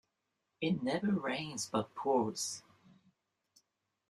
It never rains but it pours.